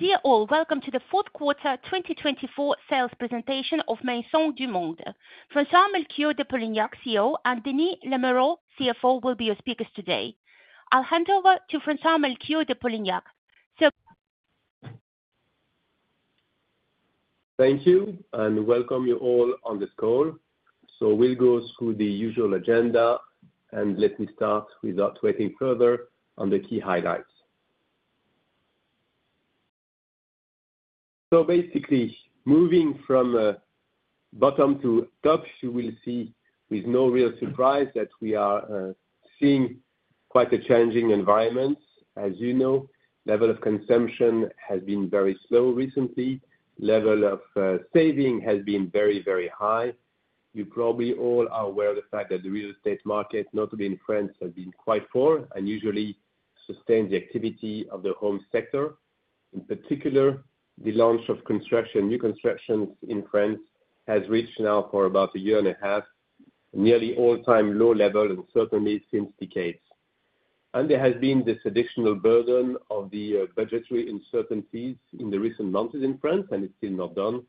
Dear all, welcome to the fourth quarter 2024 sales presentation of Maisons du Monde. François-Melchior de Polignac, CEO, and Denis Lamoureux, CFO, will be your speakers today. I'll hand over to François-Melchior de Polignac. Sir. Thank you, and welcome you all on this call. So we'll go through the usual agenda, and let me start without waiting further on the key highlights. So basically, moving from bottom to top, you will see, with no real surprise, that we are seeing quite a changing environment. As you know, level of consumption has been very slow recently. Level of saving has been very, very high. You probably all are aware of the fact that the real estate market, notably in France, has been quite poor and usually sustains the activity of the home sector. In particular, the launch of new constructions in France has reached now for about a year and a half nearly all-time low levels unprecedented since decades. And there has been this additional burden of the budgetary uncertainties in the recent months in France, and it's still not done.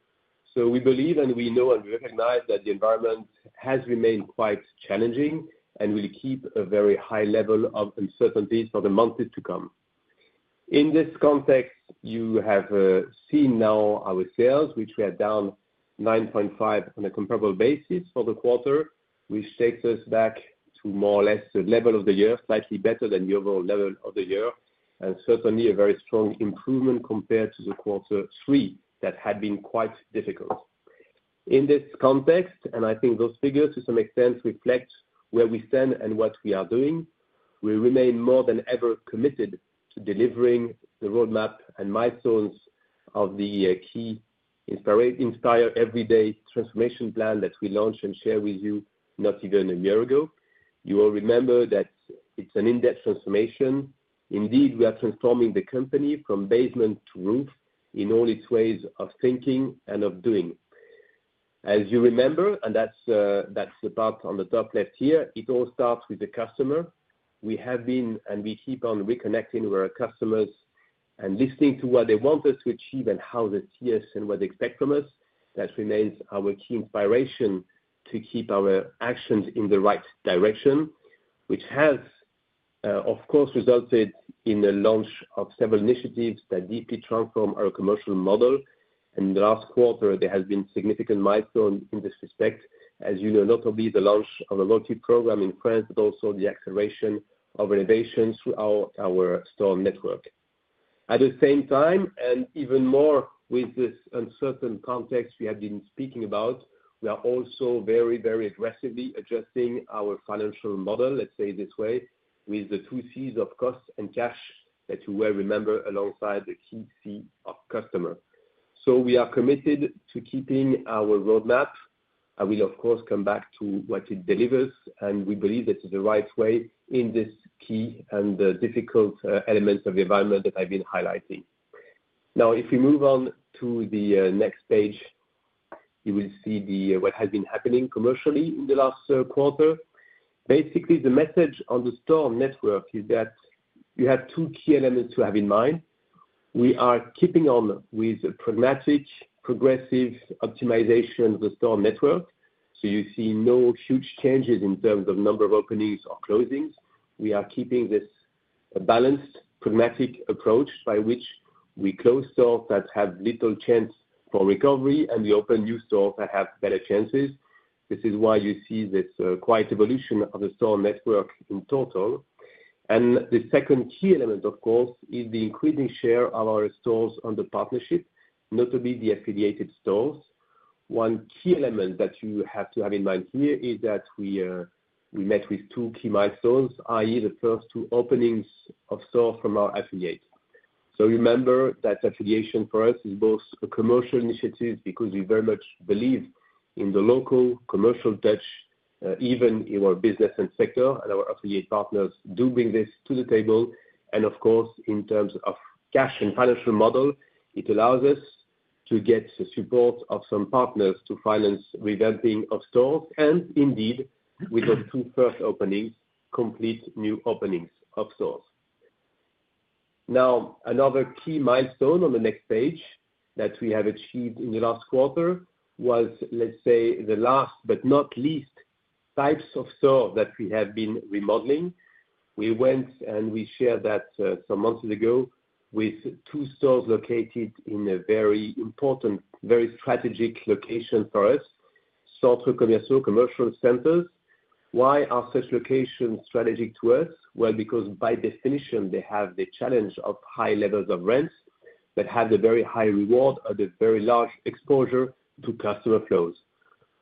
So we believe, and we know, and we recognize that the environment has remained quite challenging and will keep a very high level of uncertainties for the months to come. In this context, you have seen now our sales, which we are down 9.5% on a comparable basis for the quarter, which takes us back to more or less the level of the year, slightly better than the overall level of the year, and certainly a very strong improvement compared to the quarter three that had been quite difficult. In this context, and I think those figures to some extent reflect where we stand and what we are doing, we remain more than ever committed to delivering the roadmap and milestones of the key Inspire Everyday transformation plan that we launched and shared with you not even a year ago. You all remember that it's an in-depth transformation. Indeed, we are transforming the company from basement to roof in all its ways of thinking and of doing. As you remember, and that's the part on the top left here, it all starts with the customer. We have been and we keep on reconnecting with our customers and listening to what they want us to achieve and how they see us and what they expect from us. That remains our key inspiration to keep our actions in the right direction, which has, of course, resulted in the launch of several initiatives that deeply transform our commercial model. And in the last quarter, there has been significant milestones in this respect. As you know, notably the launch of a multi-program in France, but also the acceleration of innovations through our store network. At the same time, and even more with this uncertain context we have been speaking about, we are also very, very aggressively adjusting our financial model, let's say it this way, with the two C's of cost and cash that you well remember alongside the key C of customer. So we are committed to keeping our roadmap. I will, of course, come back to what it delivers, and we believe that is the right way in this key and difficult element of the environment that I've been highlighting. Now, if we move on to the next page, you will see what has been happening commercially in the last quarter. Basically, the message on the store network is that you have two key elements to have in mind. We are keeping on with a pragmatic, progressive optimization of the store network. You see no huge changes in terms of number of openings or closings. We are keeping this balanced, pragmatic approach by which we close stores that have little chance for recovery and we open new stores that have better chances. This is why you see this quiet evolution of the store network in total. The second key element, of course, is the increasing share of our stores under partnership, notably the affiliated stores. One key element that you have to have in mind here is that we met two key milestones, i.e., the first two openings of stores from our affiliates. Remember that affiliation for us is both a commercial initiative because we very much believe in the local commercial touch, even in our business and sector, and our affiliate partners do bring this to the table. And of course, in terms of cash and financial model, it allows us to get the support of some partners to finance revamping of stores and indeed, with those two first openings, complete new openings of stores. Now, another key milestone on the next page that we have achieved in the last quarter was, let's say, the last but not least types of stores that we have been remodeling. We went and we shared that some months ago with two stores located in a very important, very strategic location for us, ccentre commercial, commercial centers. Why are such locations strategic to us? Well, because by definition, they have the challenge of high levels of rents that have a very high reward or a very large exposure to customer flows.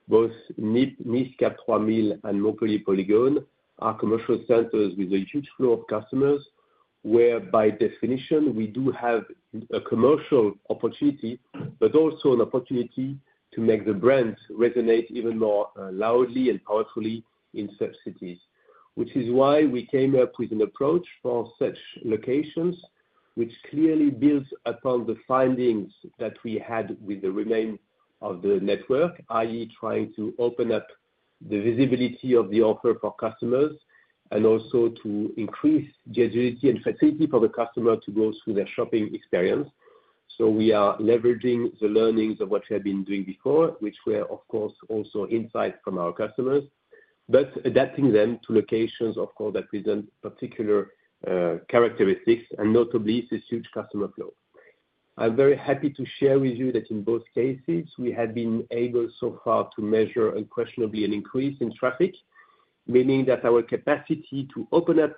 Both Nice Cap 3000 and Montpellier Polygone are commercial centers with a huge flow of customers where, by definition, we do have a commercial opportunity, but also an opportunity to make the brands resonate even more loudly and powerfully in such cities, which is why we came up with an approach for such locations, which clearly builds upon the findings that we had with the remainder of the network, i.e., trying to open up the visibility of the offer for customers and also to increase the agility and facility for the customer to go through their shopping experience. So we are leveraging the learnings of what we have been doing before, which were, of course, also insights from our customers, but adapting them to locations, of course, that present particular characteristics, and notably this huge customer flow. I'm very happy to share with you that in both cases, we have been able so far to measure unquestionably an increase in traffic, meaning that our capacity to open up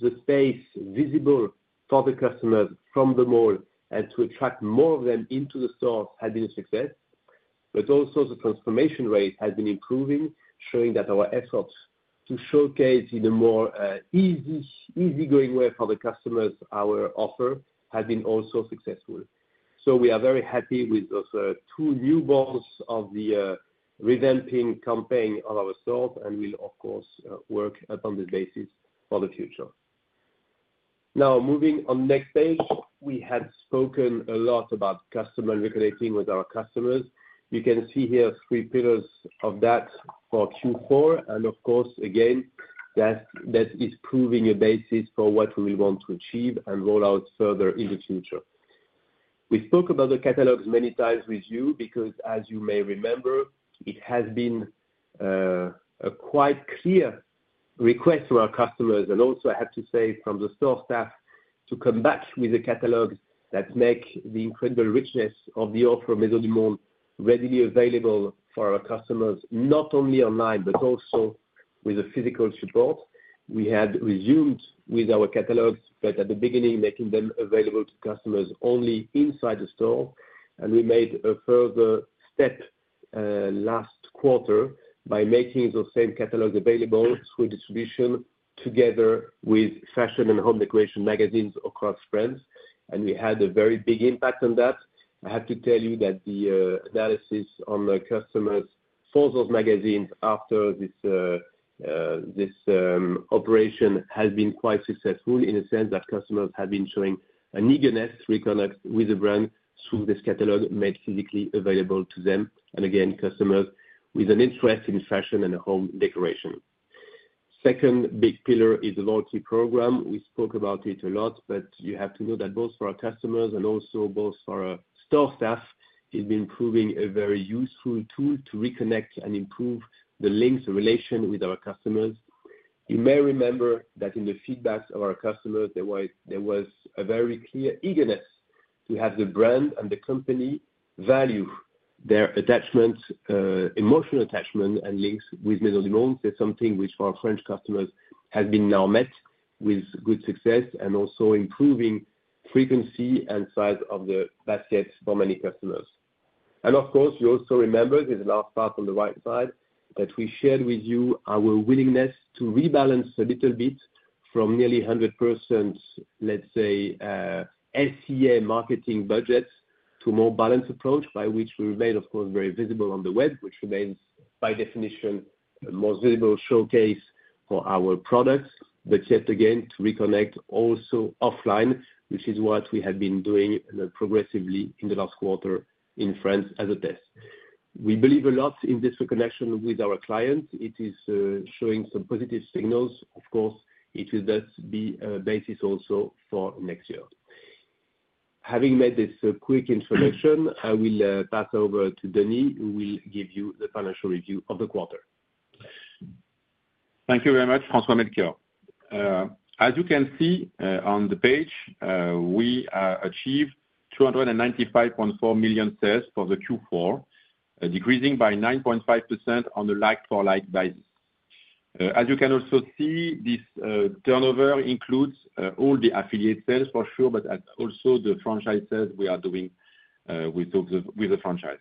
the space visible for the customers from the mall and to attract more of them into the stores has been a success, but also the transformation rate has been improving, showing that our efforts to showcase in a more easygoing way for the customers our offer have been also successful. So we are very happy with those two new malls of the revamping campaign of our stores, and we'll, of course, work upon this basis for the future. Now, moving on to the next page, we had spoken a lot about customers and reconnecting with our customers. You can see here three pillars of that for Q4, and of course, again, that is proving a basis for what we want to achieve and roll out further in the future. We spoke about the catalogs many times with you because, as you may remember, it has been a quite clear request from our customers, and also I have to say from the store staff, to come back with the catalogs that make the incredible richness of the offer of Maisons du Monde readily available for our customers, not only online, but also with physical support. We had resumed with our catalogs, but at the beginning, making them available to customers only inside the store, and we made a further step last quarter by making those same catalogs available through distribution together with fashion and home decoration magazines across France, and we had a very big impact on that. I have to tell you that the analysis on customers for those magazines after this operation has been quite successful in the sense that customers have been showing an eagerness to reconnect with the brand through this catalog made physically available to them, and again, customers with an interest in fashion and home decoration. Second big pillar is the loyalty program. We spoke about it a lot, but you have to know that both for our customers and also both for our store staff, it's been proving a very useful tool to reconnect and improve the links and relation with our customers. You may remember that in the feedback of our customers, there was a very clear eagerness to have the brand and the company value their attachment, emotional attachment, and links with Maisons du Monde. It's something which for our French customers has been now met with good success and also improving frequency and size of the baskets for many customers, and of course, you also remember this last part on the right side that we shared with you our willingness to rebalance a little bit from nearly 100%, let's say, SEA marketing budgets to a more balanced approach by which we remain, of course, very visible on the web, which remains by definition a more visible showcase for our products, but yet again, to reconnect also offline, which is what we have been doing progressively in the last quarter in France as a test. We believe a lot in this reconnection with our clients. It is showing some positive signals. Of course, it will thus be a basis also for next year. Having made this quick introduction, I will pass over to Denis, who will give you the financial review of the quarter. Thank you very much, François-Melchior. As you can see on the page, we achieved 295.4 million EUR sales for the Q4, decreasing by 9.5% on a like-for-like basis. As you can also see, this turnover includes all the affiliate sales, for sure, but also the franchise sales we are doing with the franchise.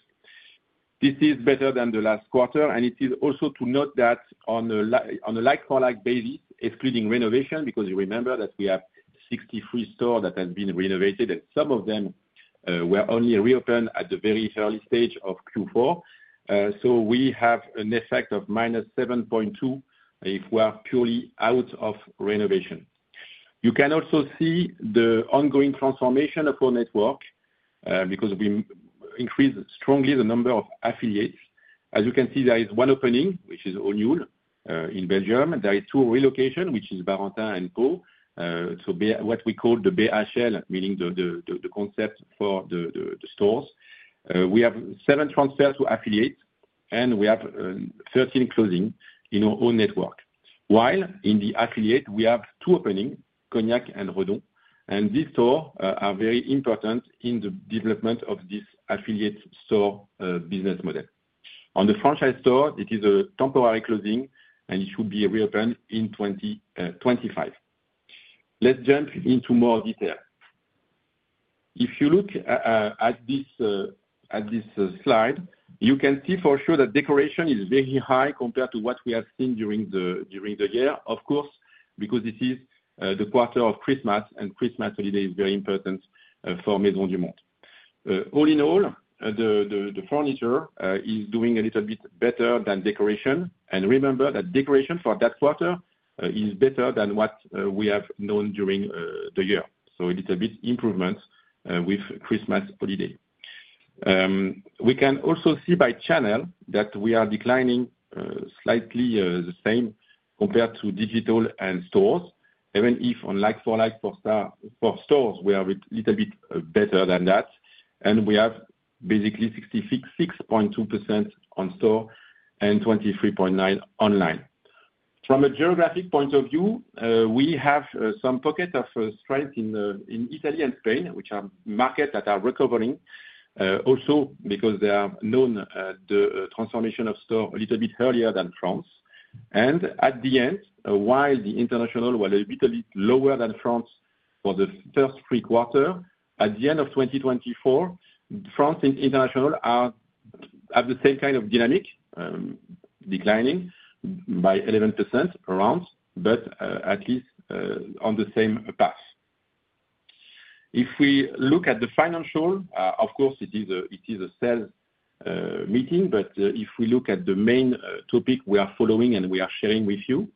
This is better than the last quarter, and it is also to note that on a like-for-like basis, excluding renovation, because you remember that we have 63 stores that have been renovated, and some of them were only reopened at the very early stage of Q4. So we have an effect of -7.2% if we are purely out of renovation. You can also see the ongoing transformation of our network because we increased strongly the number of affiliates. As you can see, there is one opening, which is O'Neill in Belgium. There are two relocations, which are Barentin and Pau, what we call the BHL, meaning the concept for the stores. We have seven transfers to affiliates, and we have 13 closings in our own network, while in the affiliate, we have two openings, Cognac and Redon, and these stores are very important in the development of this affiliate store business model. On the franchise store, it is a temporary closing, and it should be reopened in 2025. Let's jump into more detail. If you look at this slide, you can see for sure that decoration is very high compared to what we have seen during the year, of course, because this is the quarter of Christmas, and Christmas holiday is very important for Maisons du Monde. All in all, the furniture is doing a little bit better than decoration, and remember that decoration for that quarter is better than what we have known during the year. So a little bit of improvement with Christmas holiday. We can also see by channel that we are declining slightly the same compared to digital and stores. Even if on like-for-like for stores, we are a little bit better than that, and we have basically 66.2% on store and 23.9% online. From a geographic point of view, we have some pockets of strength in Italy and Spain, which are markets that are recovering, also because they have known the transformation of stores a little bit earlier than France. At the end, while the international was a little bit lower than France for the first three quarters, at the end of 2024, France and international have the same kind of dynamic, declining by 11% around, but at least on the same path. If we look at the financial, of course, it is a sales meeting, but if we look at the main topic we are following and we are sharing with you.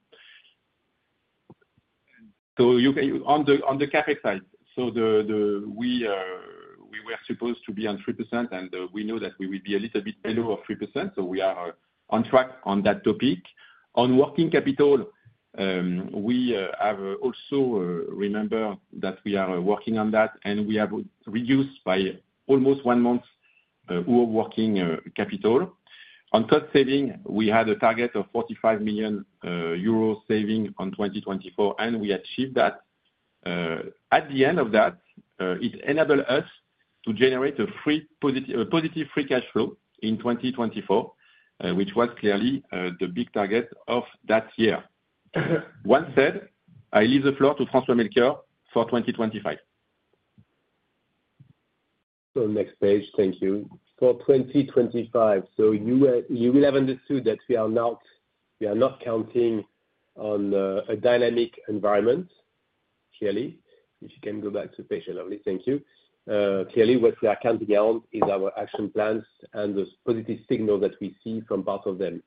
On the CapEx side, we were supposed to be on 3%, and we know that we will be a little bit below 3%, so we are on track on that topic. On working capital, we have also remembered that we are working on that, and we have reduced by almost one month our working capital. On cost saving, we had a target of 45 million euros saving in 2024, and we achieved that. At the end of that, it enabled us to generate a positive free cash flow in 2024, which was clearly the big target of that year. One said, I leave the floor to François-Melchior for 2025. Next page, thank you. For 2025, you will have understood that we are not counting on a dynamic environment, clearly. If you can go back to the page, lovely, thank you. Clearly, what we are counting on is our action plans and the positive signals that we see from both of them.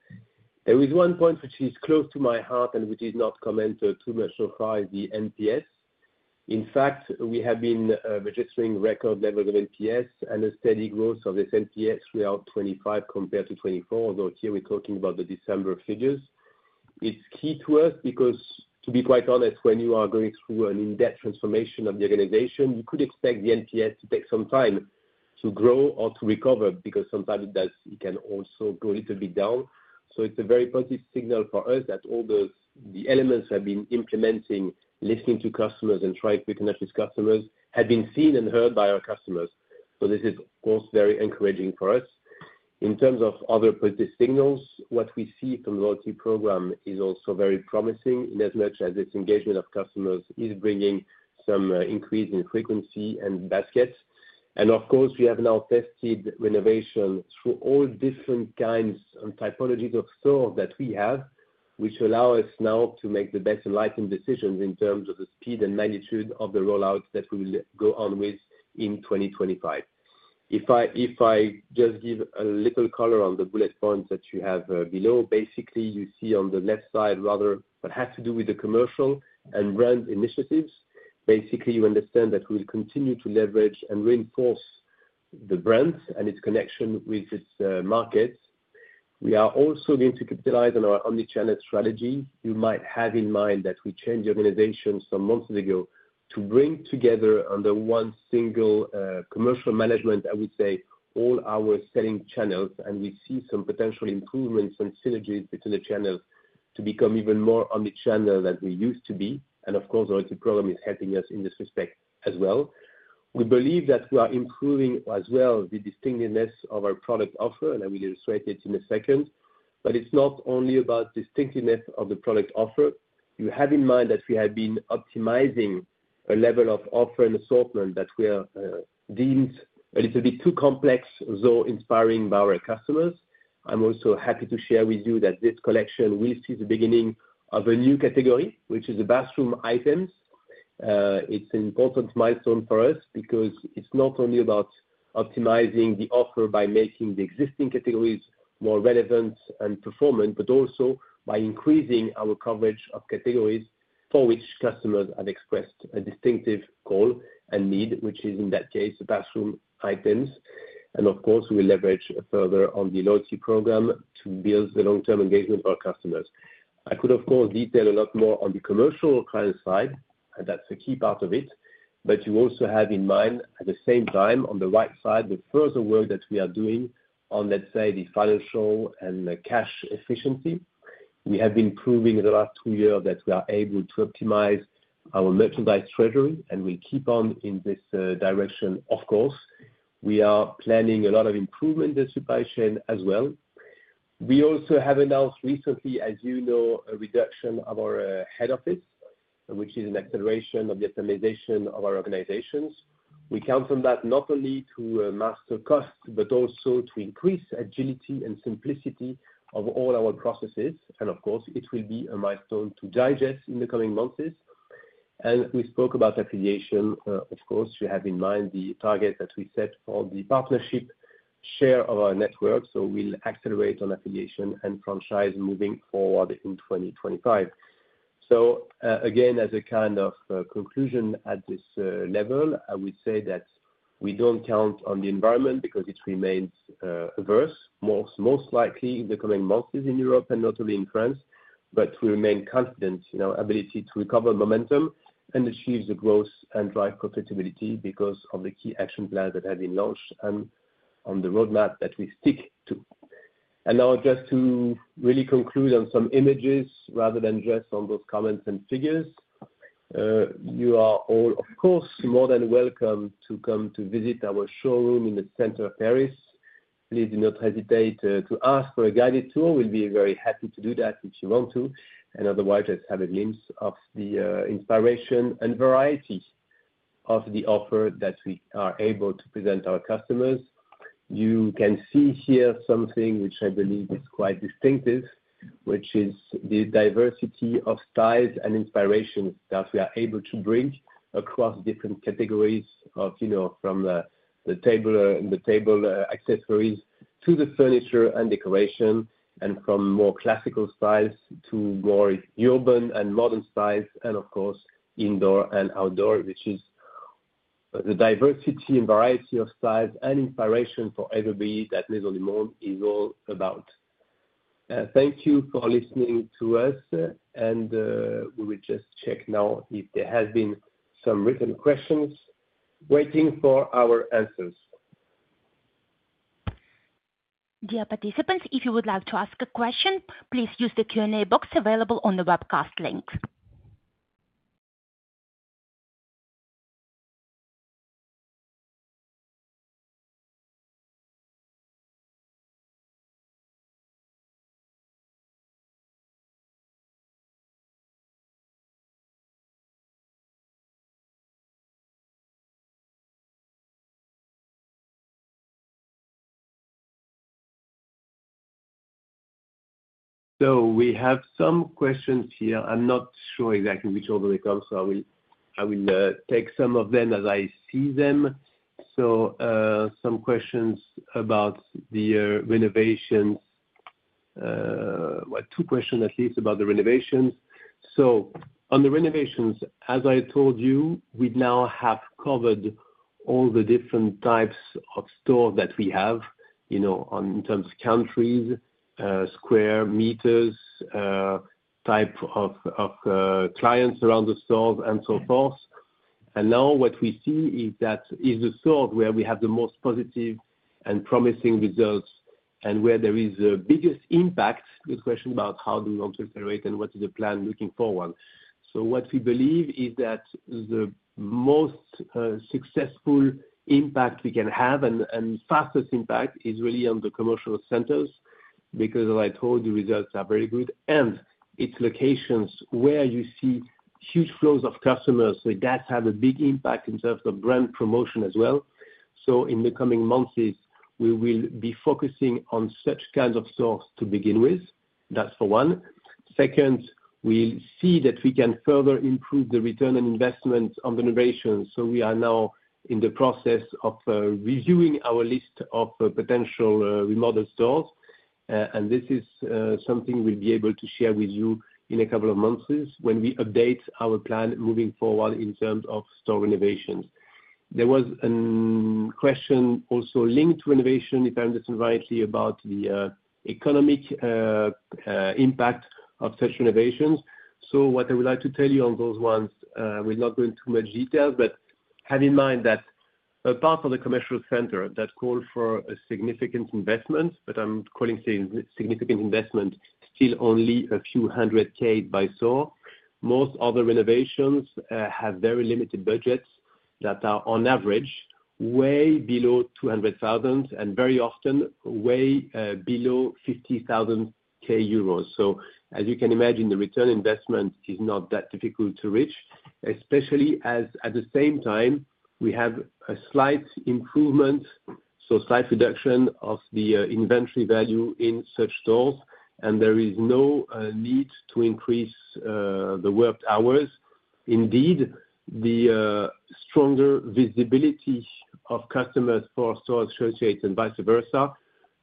There is one point which is close to my heart and which is not commented too much so far is the NPS. In fact, we have been registering record levels of NPS and a steady growth of this NPS throughout 2025 compared to 2024, although here we're talking about the December figures. It's key to us because, to be quite honest, when you are going through an in-depth transformation of the organization, you could expect the NPS to take some time to grow or to recover because sometimes it can also go a little bit down. So it's a very positive signal for us that all the elements we have been implementing, listening to customers and trying to reconnect with customers, have been seen and heard by our customers. So this is, of course, very encouraging for us. In terms of other positive signals, what we see from the loyalty program is also very promising in as much as this engagement of customers is bringing some increase in frequency and baskets. And of course, we have now tested renovation through all different kinds and typologies of stores that we have, which allow us now to make the best enlightened decisions in terms of the speed and magnitude of the rollout that we will go on with in 2025. If I just give a little color on the bullet points that you have below, basically, you see on the left side rather that has to do with the commercial and brand initiatives. Basically, you understand that we will continue to leverage and reinforce the brand and its connection with its markets. We are also going to capitalize on our omnichannel strategy. You might have in mind that we changed the organization some months ago to bring together under one single commercial management, I would say, all our selling channels, and we see some potential improvements and synergies between the channels to become even more omnichannel than we used to be. And of course, the loyalty program is helping us in this respect as well. We believe that we are improving as well the distinctiveness of our product offer, and I will illustrate it in a second, but it's not only about distinctiveness of the product offer. You have in mind that we have been optimizing a level of offer and assortment that we have deemed a little bit too complex, though inspiring by our customers. I'm also happy to share with you that this collection will see the beginning of a new category, which is the bathroom items. It's an important milestone for us because it's not only about optimizing the offer by making the existing categories more relevant and performant, but also by increasing our coverage of categories for which customers have expressed a distinctive goal and need, which is in that case, the bathroom items. And of course, we will leverage further on the loyalty program to build the long-term engagement of our customers. I could, of course, detail a lot more on the commercial client side, and that's a key part of it, but you also have in mind at the same time on the right side the further work that we are doing on, let's say, the financial and cash efficiency. We have been proving in the last two years that we are able to optimize our merchandise treasury, and we'll keep on in this direction, of course. We are planning a lot of improvement in the supply chain as well. We also have announced recently, as you know, a reduction of our head office, which is an acceleration of the optimization of our organizations. We count on that not only to master costs, but also to increase agility and simplicity of all our processes. Of course, it will be a milestone to digest in the coming months. We spoke about affiliation, of course. You have in mind the target that we set for the partnership share of our network, so we'll accelerate on affiliation and franchise moving forward in 2025. Again, as a kind of conclusion at this level, I would say that we don't count on the environment because it remains adverse, most likely in the coming months in Europe and notably in France, but we remain confident in our ability to recover momentum and achieve the growth and drive profitability because of the key action plans that have been launched and on the roadmap that we stick to. Now, just to really conclude on some images rather than just on those comments and figures, you are all, of course, more than welcome to come to visit our showroom in the center of Paris. Please do not hesitate to ask for a guided tour. We'll be very happy to do that if you want to. Otherwise, just have a glimpse of the inspiration and variety of the offer that we are able to present our customers. You can see here something which I believe is quite distinctive, which is the diversity of styles and inspirations that we are able to bring across different categories from the table accessories to the furniture and decoration, and from more classical styles to more urban and modern styles, and of course, indoor and outdoor, which is the diversity and variety of styles and inspiration for everybody that Maisons du Monde is all about. Thank you for listening to us, and we will just check now if there have been some written questions waiting for our answers. Dear participants, if you would like to ask a question, please use the Q&A box available on the webcast link. So we have some questions here. I'm not sure exactly which order they come, so I will take some of them as I see them. So some questions about the renovations, two questions at least about the renovations. So on the renovations, as I told you, we now have covered all the different types of stores that we have in terms of countries, square meters, type of clients around the stores, and so forth. And now what we see is the stores where we have the most positive and promising results and where there is the biggest impact. Good question about how do we want to accelerate and what is the plan looking forward. So what we believe is that the most successful impact we can have and fastest impact is really on the commercial centers because, as I told you, results are very good, and it's locations where you see huge flows of customers. So that has a big impact in terms of brand promotion as well. So in the coming months, we will be focusing on such kinds of stores to begin with. That's for one. Second, we'll see that we can further improve the return on investment on the renovations. So we are now in the process of reviewing our list of potential remodel stores, and this is something we'll be able to share with you in a couple of months when we update our plan moving forward in terms of store renovations. There was a question also linked to renovation, if I understand rightly, about the economic impact of such renovations. So what I would like to tell you on those ones, we're not going into too much detail, but have in mind that apart from the commercial center, that calls for a significant investment, but I'm calling it a significant investment, still only a few hundred K by store. Most other renovations have very limited budgets that are on average way below 200,000 and very often way below 50,000 euros. So as you can imagine, the return on investment is not that difficult to reach, especially as at the same time we have a slight improvement, so slight reduction of the inventory value in such stores, and there is no need to increase the worked hours. Indeed, the stronger visibility of customers for store associates and vice versa,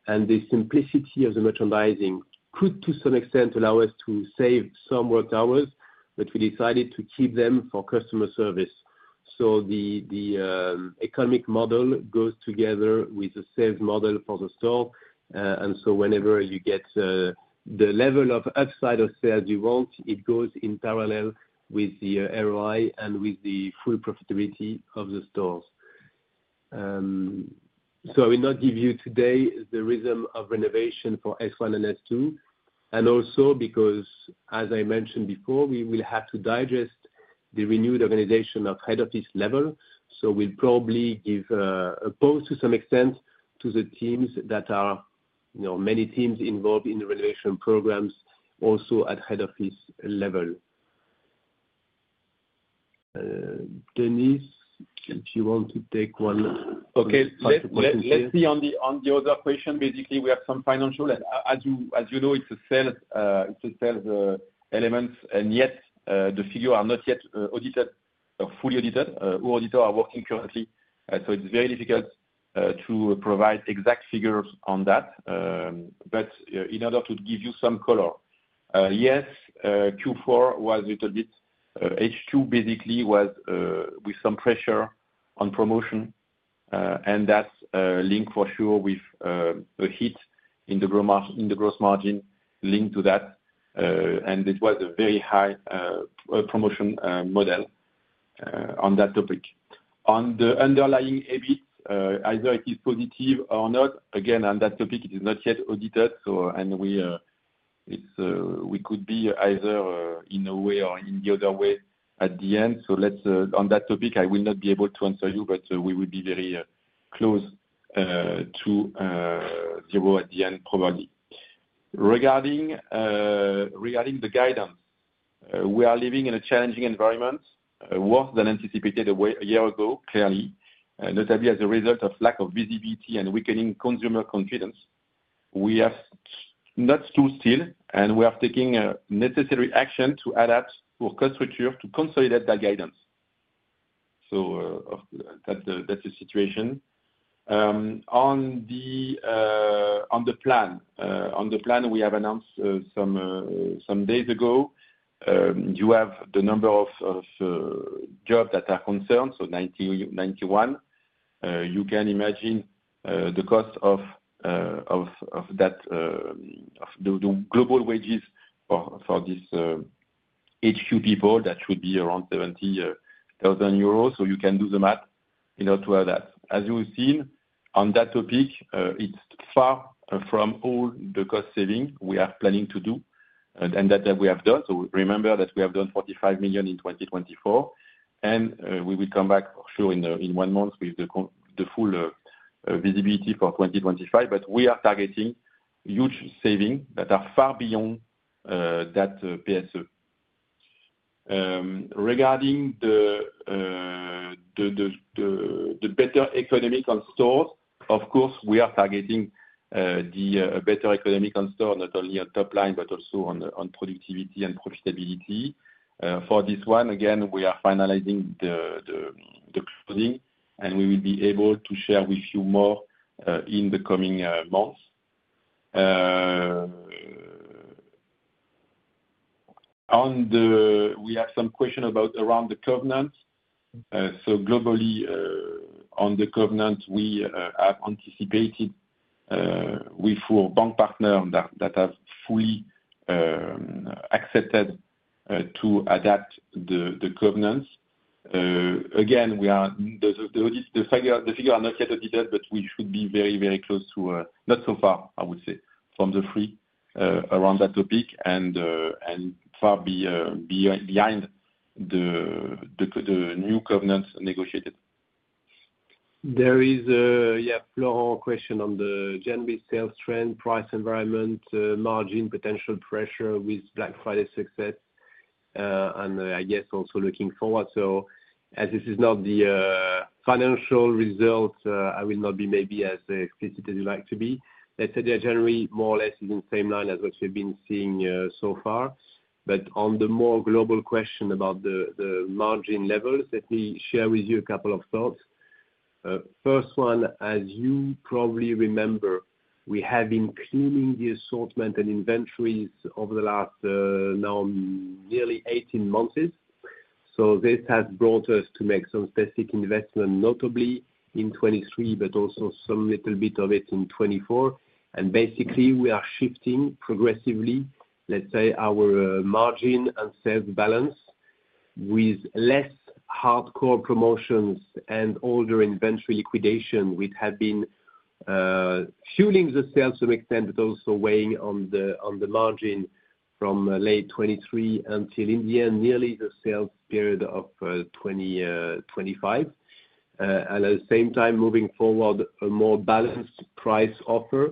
and the simplicity of the merchandising could, to some extent, allow us to save some worked hours, but we decided to keep them for customer service. So the economic model goes together with the sales model for the store. And so whenever you get the level of upside of sales you want, it goes in parallel with the ROI and with the full profitability of the stores. So I will not give you today the rhythm of renovation for S1 and S2, and also because, as I mentioned before, we will have to digest the renewed organization at head office level. So we'll probably give a post to some extent to the teams that are many teams involved in the renovation programs also at head office level. Denis, if you want to take one. Okay. Let's be on the other question. Basically, we have some financial. As you know, it's a sales element, and yet the figures are not yet audited or fully audited. Our auditors are working currently, so it's very difficult to provide exact figures on that. But in order to give you some color, yes, Q4 was a little bit H2, basically was with some pressure on promotion, and that's linked for sure with a hit in the gross margin linked to that, and it was a very high promotion model on that topic. On the underlying EBIT, either it is positive or not. Again, on that topic, it is not yet audited, and we could be either in a way or in the other way at the end. So on that topic, I will not be able to answer you, but we will be very close to zero at the end, probably. Regarding the guidance, we are living in a challenging environment, worse than anticipated a year ago, clearly, notably as a result of lack of visibility and weakening consumer confidence. We have not stood still, and we are taking necessary action to adapt for cost structure to consolidate that guidance. So that's the situation. On the plan, we have announced some days ago, you have the number of jobs that are concerned, so 91. You can imagine the cost of the global wages for these HQ people, that should be around 70,000 euros. So you can do the math in order to add that. As you have seen, on that topic, it's far from all the cost savings we are planning to do and that we have done. So, remember that we have done 45 million in 2024, and we will come back for sure in one month with the full visibility for 2025, but we are targeting huge savings that are far beyond that PSE. Regarding the better economics on stores, of course, we are targeting the better economics on stores, not only on top line, but also on productivity and profitability. For this one, again, we are finalizing the closing, and we will be able to share with you more in the coming months. We have some questions around the covenant. So, globally, on the covenant, we have anticipated with our bank partner that has fully accepted to adapt the covenants. Again, the figures are not yet audited, but we should be very, very close to, not so far, I would say, from being free and clear around that topic and far behind the new covenant negotiated. There is, yeah, Florent's question on the January sales trend, price environment, margin, potential pressure with Black Friday success, and I guess also looking forward. So as this is not the financial result, I will not be maybe as explicit as you'd like to be. Let's say the January more or less is in the same line as what we've been seeing so far. But on the more global question about the margin levels, let me share with you a couple of thoughts. First one, as you probably remember, we have been cleaning the assortment and inventories over the last now nearly 18 months. So this has brought us to make some specific investment, notably in 2023, but also some little bit of it in 2024. Basically, we are shifting progressively, let's say, our margin and sales balance with less hardcore promotions and older inventory liquidation, which have been fueling the sales to some extent, but also weighing on the margin from late 2023 until in the end, nearly the sales period of 2025. At the same time, moving forward, a more balanced price offer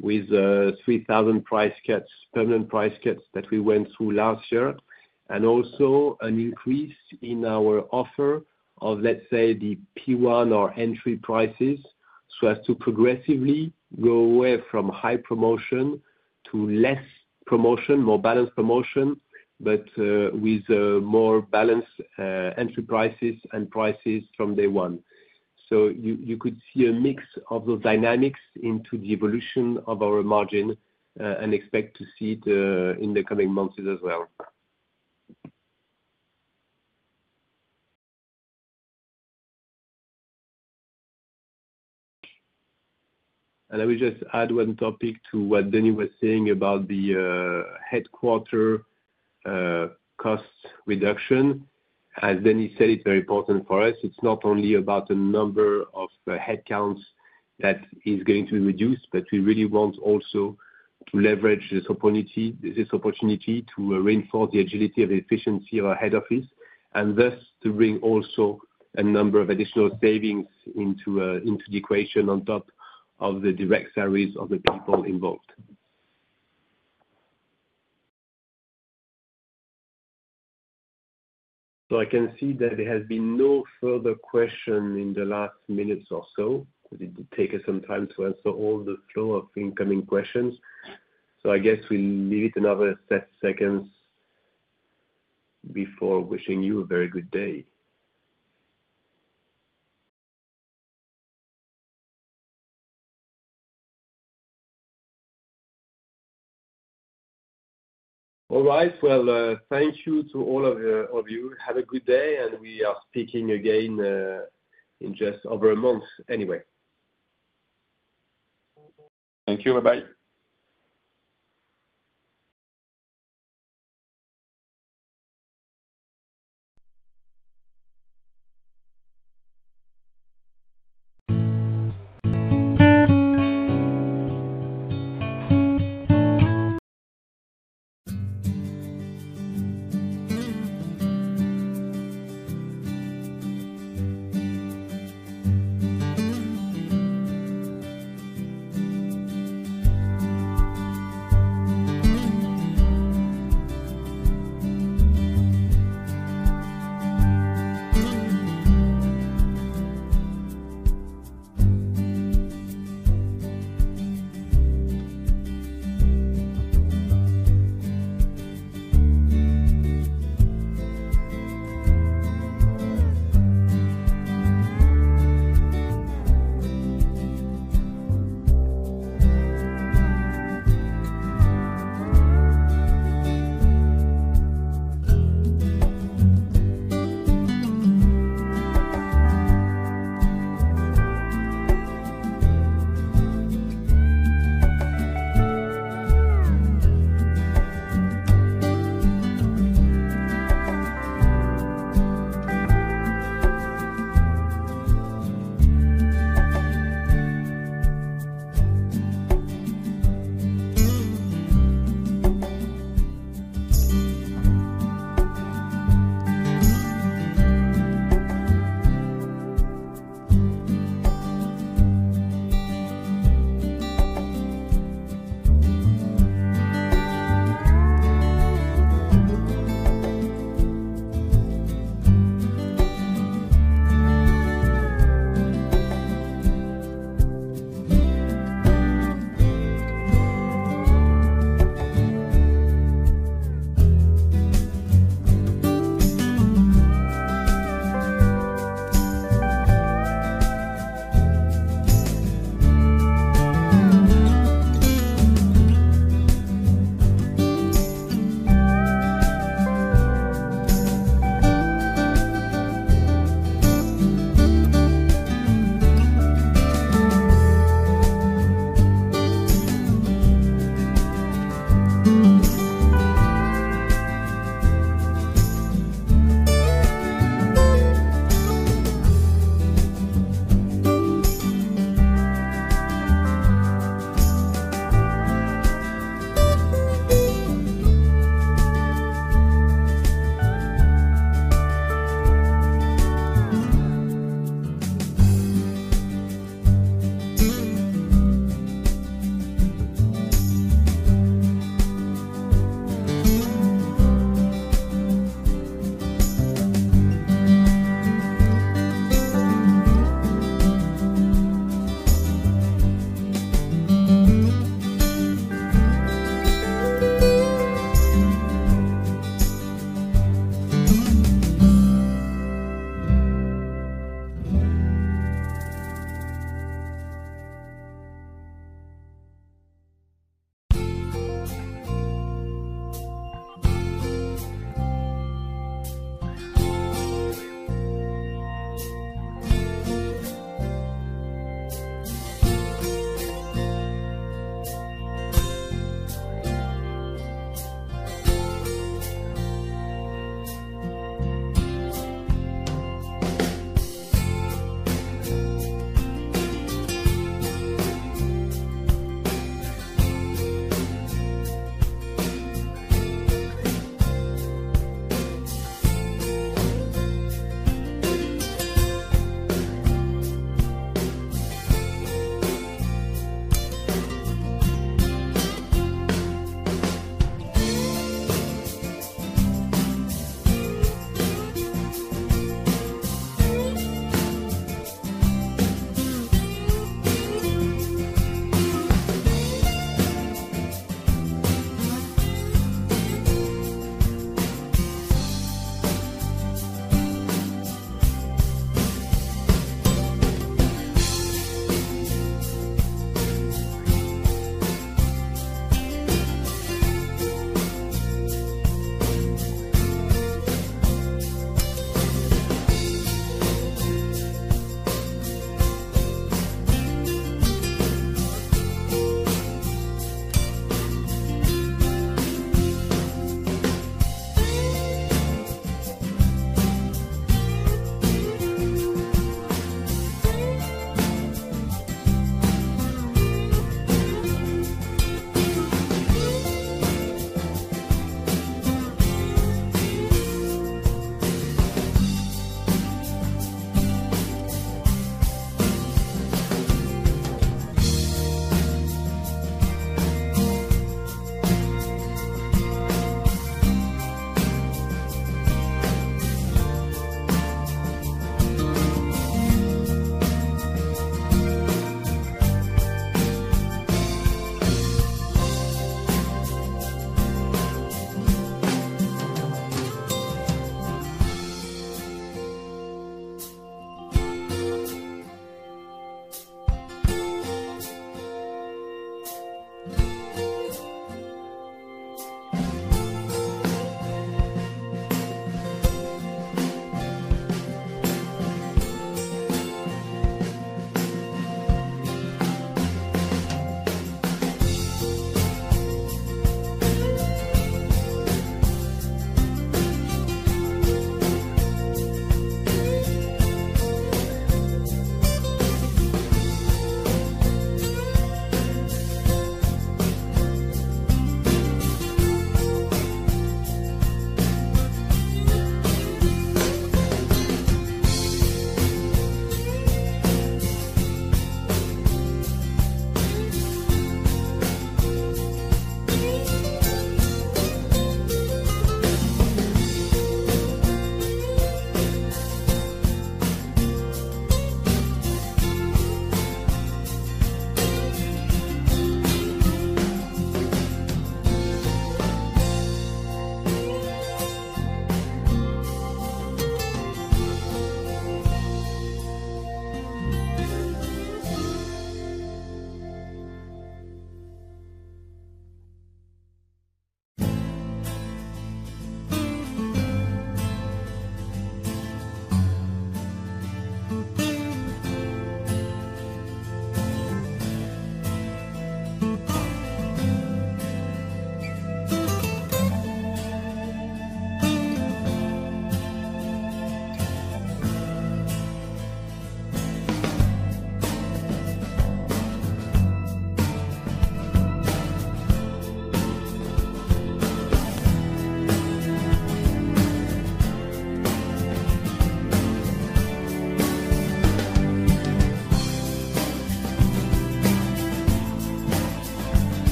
with 3,000 price cuts, permanent price cuts that we went through last year, and also an increase in our offer of, let's say, the P1 or entry prices, so as to progressively go away from high promotion to less promotion, more balanced promotion, but with more balanced entry prices and prices from day one. You could see a mix of those dynamics into the evolution of our margin and expect to see it in the coming months as well. I will just add one topic to what Denis was saying about the headquarters cost reduction. As Denis said, it's very important for us. It's not only about the number of headcounts that is going to be reduced, but we really want also to leverage this opportunity to reinforce the agility of the efficiency of our head office and thus to bring also a number of additional savings into the equation on top of the direct salaries of the people involved. I can see that there has been no further question in the last minutes or so. It did take us some time to answer all the flow of incoming questions. I guess we'll leave it another few seconds before wishing you a very good day. All right. Thank you to all of you. Have a good day, and we are speaking again in just over a month anyway. Thank you. Bye-bye.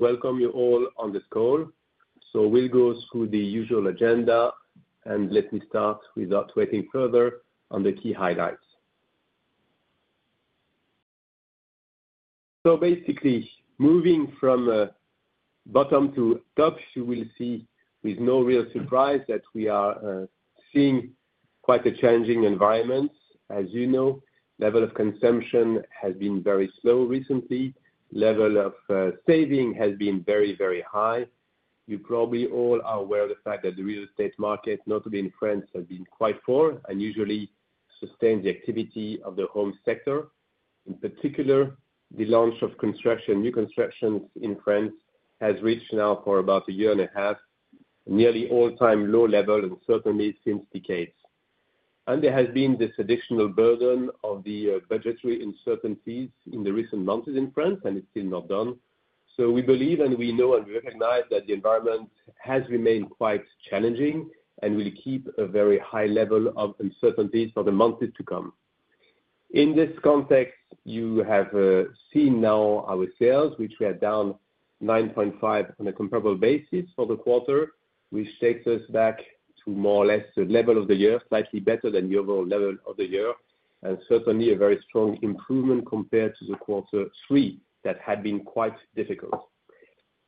Welcome you all on this call. So we'll go through the usual agenda, and let me start without waiting further on the key highlights. So basically, moving from bottom to top, you will see, with no real surprise, that we are seeing quite a changing environment. As you know, the level of consumption has been very slow recently. The level of saving has been very, very high. You probably all are aware of the fact that the real estate market, notably in France, has been quite poor and usually sustains the activity of the home sector. In particular, the launch of construction, new constructions in France, has reached now for about a year and a half nearly all-time low level and certainly since decades. There has been this additional burden of the budgetary uncertainties in the recent months in France, and it's still not done. We believe, and we know, and we recognize that the environment has remained quite challenging and will keep a very high level of uncertainties for the months to come. In this context, you have seen now our sales, which we are down 9.5% on a comparable basis for the quarter, which takes us back to more or less the level of the year, slightly better than the overall level of the year, and certainly a very strong improvement compared to the quarter three that had been quite difficult.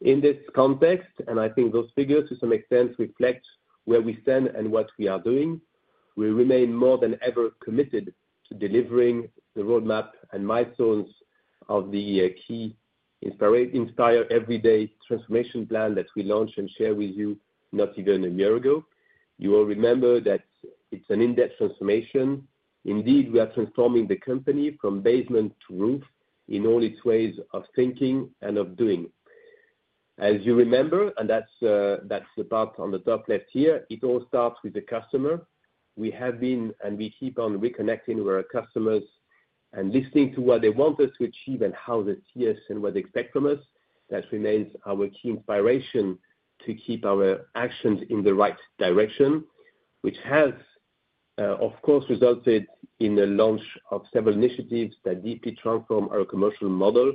In this context, and I think those figures to some extent reflect where we stand and what we are doing, we remain more than ever committed to delivering the roadmap and milestones of the key Inspire Everyday Transformation Plan that we launched and shared with you not even a year ago. You all remember that it's an in-depth transformation. Indeed, we are transforming the company from basement to roof in all its ways of thinking and of doing. As you remember, and that's the part on the top left here, it all starts with the customer. We have been and we keep on reconnecting with our customers and listening to what they want us to achieve and how they see us and what they expect from us. That remains our key inspiration to keep our actions in the right direction, which has, of course, resulted in the launch of several initiatives that deeply transform our commercial model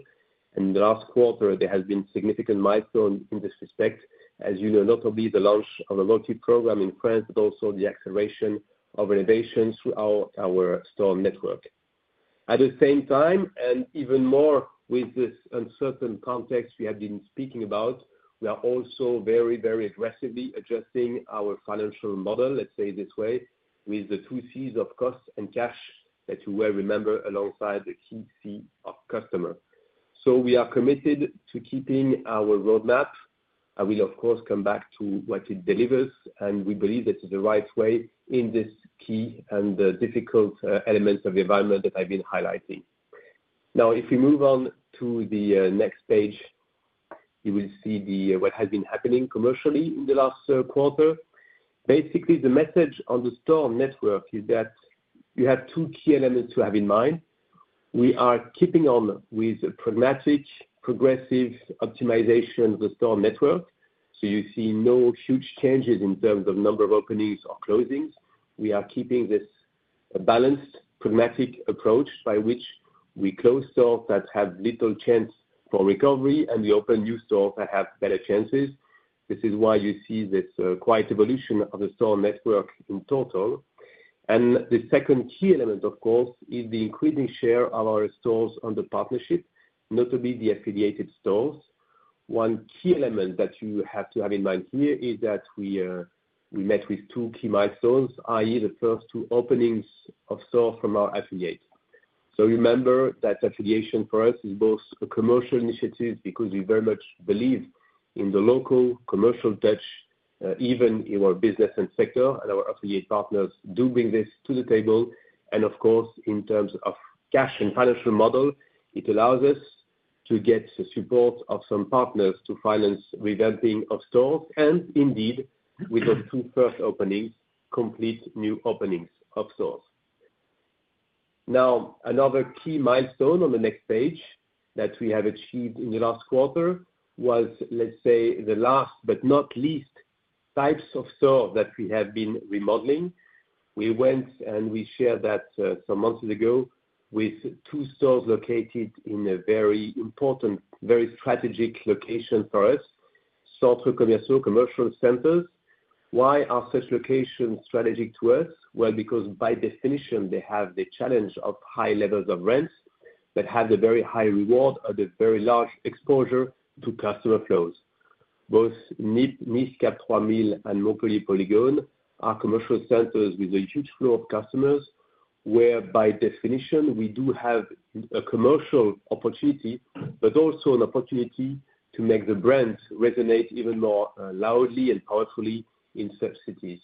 and in the last quarter, there has been significant milestones in this respect. As you know, notably the launch of the loyalty program in France, but also the acceleration of innovations through our store network. At the same time, and even more with this uncertain context we have been speaking about, we are also very, very aggressively adjusting our financial model, let's say it this way, with the two C's of cost and cash that you well remember alongside the key C of customer so we are committed to keeping our roadmap. I will, of course, come back to what it delivers, and we believe that it's the right way in this key and difficult elements of the environment that I've been highlighting. Now, if we move on to the next page, you will see what has been happening commercially in the last quarter. Basically, the message on the store network is that you have two key elements to have in mind. We are keeping on with pragmatic, progressive optimization of the store network. So you see no huge changes in terms of number of openings or closings. We are keeping this balanced, pragmatic approach by which we close stores that have little chance for recovery and we open new stores that have better chances. This is why you see this quiet evolution of the store network in total. The second key element, of course, is the increasing share of our stores under partnership, notably the affiliated stores. One key element that you have to have in mind here is that we met with two key milestones, i.e., the first two openings of stores from our affiliates. Remember that affiliation for us is both a commercial initiative because we very much believe in the local commercial touch, even in our business and sector, and our affiliate partners do bring this to the table. Of course, in terms of cash and financial model, it allows us to get the support of some partners to finance revamping of stores and indeed, with those two first openings, complete new openings of stores. Now, another key milestone on the next page that we have achieved in the last quarter was, let's say, the last but not least types of stores that we have been remodeling. We went and we shared that some months ago with two stores located in a very important, very strategic location for us, Centre Commercial, commercial centers. Why are such locations strategic to us? Well, because by definition, they have the challenge of high levels of rents that have the very high reward of the very large exposure to customer flows. Both Nice Cap 3000 and Montpellier Polygone are commercial centers with a huge flow of customers, where by definition, we do have a commercial opportunity, but also an opportunity to make the brand resonate even more loudly and powerfully in such cities,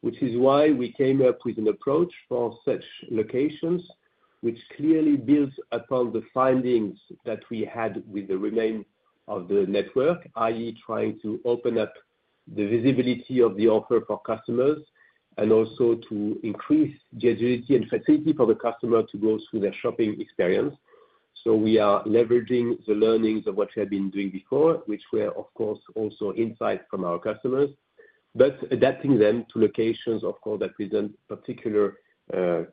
which is why we came up with an approach for such locations, which clearly builds upon the findings that we had with the remodels of the network, i.e., trying to open up the visibility of the offer for customers and also to increase the agility and facility for the customer to go through their shopping experience. So we are leveraging the learnings of what we have been doing before, which were, of course, also insights from our customers, but adapting them to locations, of course, that present particular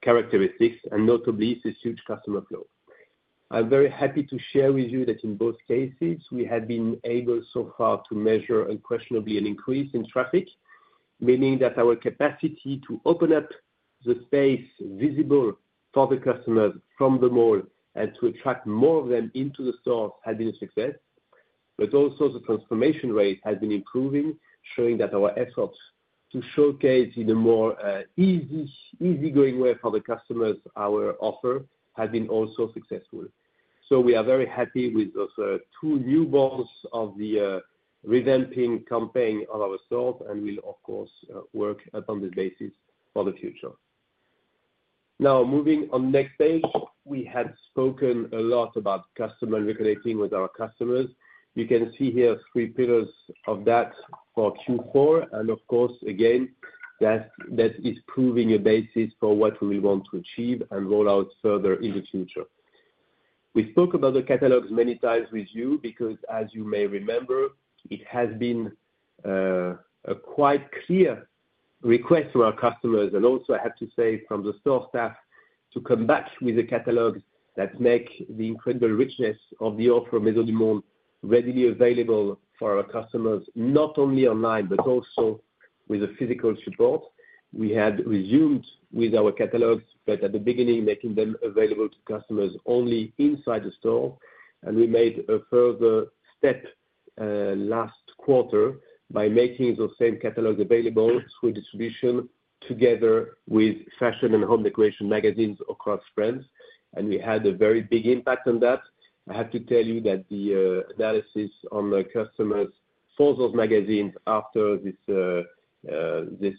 characteristics, and notably this huge customer flow. I'm very happy to share with you that in both cases, we have been able so far to measure unquestionably an increase in traffic, meaning that our capacity to open up the space visible for the customers from the mall and to attract more of them into the stores has been a success, but also the transformation rate has been improving, showing that our efforts to showcase in a more easy-going way for the customers our offer have been also successful. So we are very happy with those two new phases of the revamping campaign of our stores, and we'll, of course, work upon this basis for the future. Now, moving on to the next page, we had spoken a lot about customers and reconnecting with our customers. You can see here three pillars of that for Q4, and of course, again, that is proving a basis for what we will want to achieve and roll out further in the future. We spoke about the catalogs many times with you because, as you may remember, it has been a quite clear request from our customers, and also I have to say from the store staff, to come back with the catalogs that make the incredible richness of the offer of Maisons du Monde readily available for our customers, not only online, but also with physical support. We had resumed with our catalogs, but at the beginning, making them available to customers only inside the store. And we made a further step last quarter by making those same catalogs available through distribution together with fashion and home decoration magazines across France, and we had a very big impact on that. I have to tell you that the analysis on customers for those magazines after this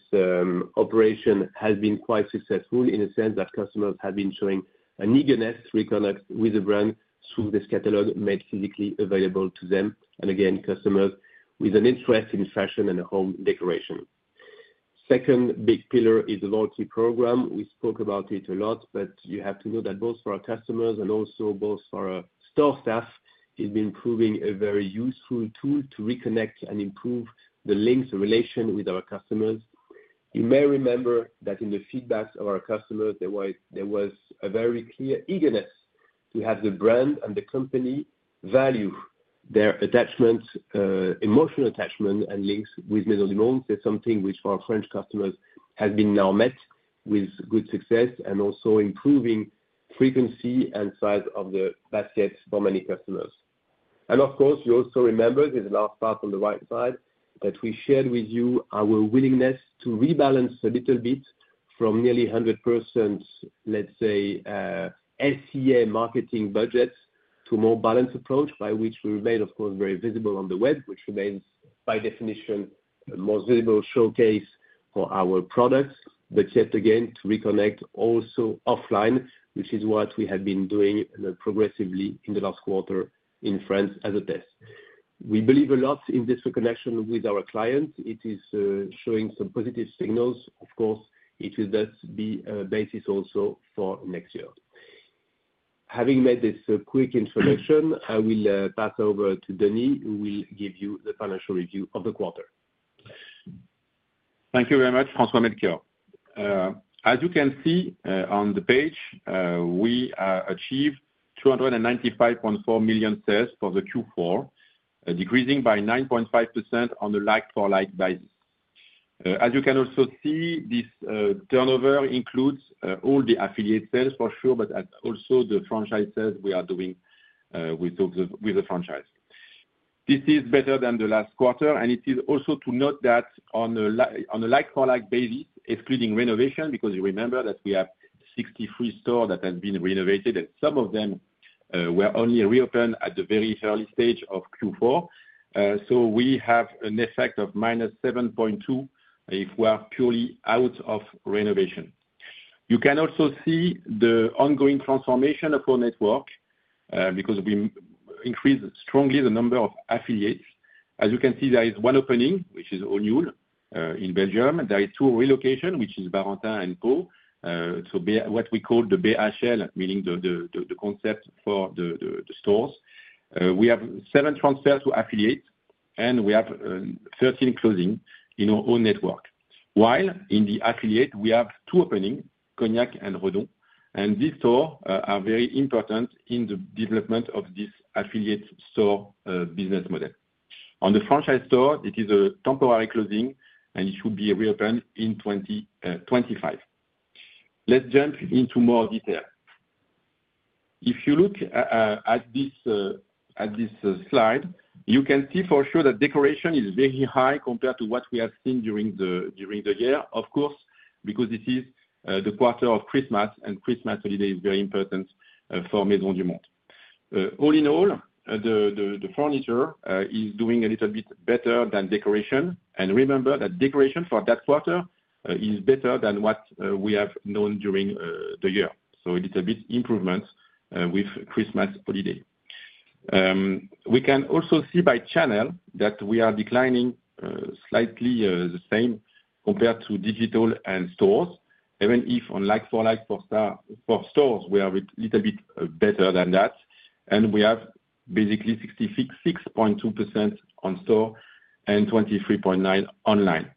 operation has been quite successful in the sense that customers have been showing an eagerness to reconnect with the brand through this catalog made physically available to them, and again, customers with an interest in fashion and home decoration. Second big pillar is the loyalty program. We spoke about it a lot, but you have to know that both for our customers and also both for our store staff, it's been proving a very useful tool to reconnect and improve the links and relations with our customers. You may remember that in the feedback of our customers, there was a very clear eagerness to have the brand and the company value their attachment, emotional attachment, and links with Maisons du Monde. It's something which for our French customers has been now met with good success and also improving frequency and size of the baskets for many customers. And of course, you also remember this last part on the right side that we shared with you our willingness to rebalance a little bit from nearly 100%, let's say, SEA marketing budgets to a more balanced approach by which we remain, of course, very visible on the web, which remains by definition a more visible showcase for our products, but yet again, to reconnect also offline, which is what we have been doing progressively in the last quarter in France as a test. We believe a lot in this reconnection with our clients. It is showing some positive signals. Of course, it will thus be a basis also for next year. Having made this quick introduction, I will pass over to Denis Lamoureux, who will give you the financial review of the quarter. Thank you very much, François-Melchior de Polignac. As you can see on the page, we achieved 295.4 million sales for the Q4, decreasing by 9.5% on the like-for-like basis. As you can also see, this turnover includes all the affiliate sales, for sure, but also the franchise sales we are doing with the franchise. This is better than the last quarter, and it is also to note that on a like-for-like basis, excluding renovation, because you remember that we have 63 stores that have been renovated, and some of them were only reopened at the very early stage of Q4. We have an effect of -7.2% if we are purely out of renovation. You can also see the ongoing transformation of our network because we increased strongly the number of affiliates. As you can see, there is one opening, which is O'Neill in Belgium. There are two relocations, which are Barentin and Pau, so what we call the BHL, meaning the concept for the stores. We have seven transfers to affiliates, and we have 13 closings in our own network, while in the affiliate, we have two openings, Cognac and Redon, and these stores are very important in the development of this affiliate store business model. On the franchise store, it is a temporary closing, and it should be reopened in 2025. Let's jump into more detail. If you look at this slide, you can see for sure that decoration is very high compared to what we have seen during the year, of course, because this is the quarter of Christmas, and Christmas holiday is very important for Maisons du Monde. All in all, the furniture is doing a little bit better than decoration, and remember that decoration for that quarter is better than what we have known during the year. So a little bit improvement with Christmas holiday. We can also see by channel that we are declining slightly the same compared to digital and stores, even if on like-for-like for stores we are a little bit better than that, and we have basically 66.2% on store and 23.9% online.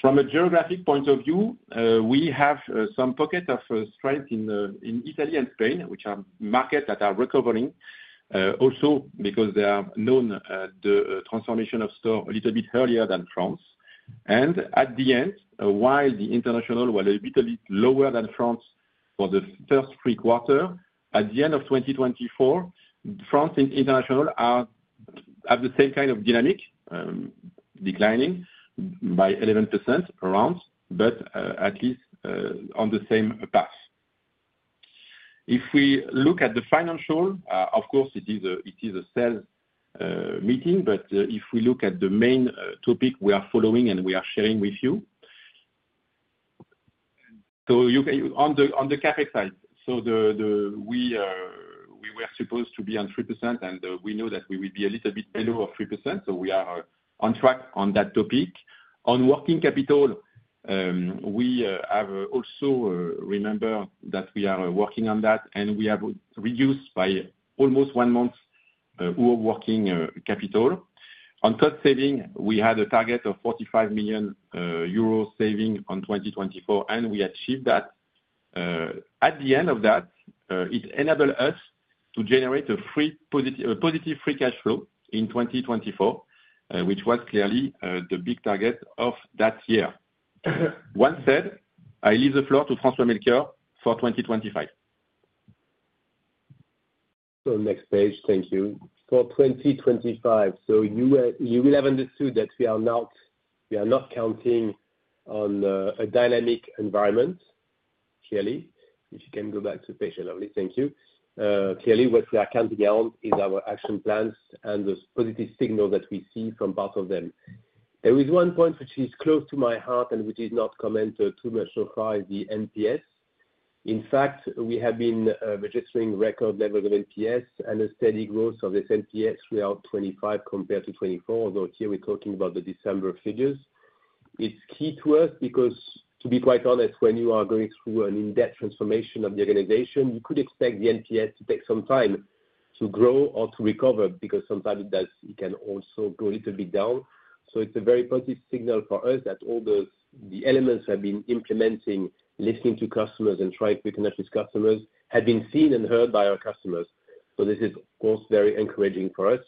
From a geographic point of view, we have some pockets of strength in Italy and Spain, which are markets that are recovering, also because they have known the transformation of stores a little bit earlier than France. And at the end, while the international was a little bit lower than France for the first three quarters, at the end of 2024, France and international have the same kind of dynamic, declining by 11% around, but at least on the same path. If we look at the financial, of course, it is a sales meeting, but if we look at the main topic we are following and we are sharing with you, so on the CapEx side, so we were supposed to be on 3%, and we know that we will be a little bit below 3%, so we are on track on that topic. On working capital, we have also remembered that we are working on that, and we have reduced by almost one month our working capital. On cost saving, we had a target of 45 million euros saving on 2024, and we achieved that. At the end of that, it enabled us to generate a positive free cash flow in 2024, which was clearly the big target of that year. One said, I leave the floor to François-Melchior de Polignac for 2025. So next page, thank you. For 2025, so you will have understood that we are not counting on a dynamic environment, clearly. If you can go back to the page a little bit, thank you. Clearly, what we are counting on is our action plans and the positive signals that we see from parts of them. There is one point which is close to my heart and which is not commented too much so far is the NPS. In fact, we have been registering record levels of NPS and a steady growth of this NPS throughout 2025 compared to 2024, although here we're talking about the December figures. It's key to us because, to be quite honest, when you are going through an in-depth transformation of the organization, you could expect the NPS to take some time to grow or to recover because sometimes it can also go a little bit down. So it's a very positive signal for us that all the elements we have been implementing, listening to customers and trying to reconnect with customers, have been seen and heard by our customers. So this is, of course, very encouraging for us.